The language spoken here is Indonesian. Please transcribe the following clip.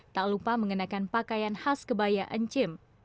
tak lupa mengenakan pakaian khas kebaya encim